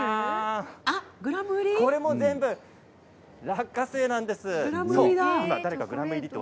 これも全部、落花生なんです。